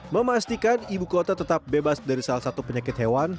memastikan ibu kota tetap bebas dari salah satu penyakit hewan